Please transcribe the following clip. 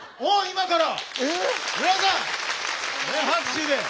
皆さんねえ拍手で。